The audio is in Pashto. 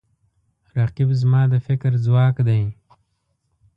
رقیب زما د فکر ځواک دی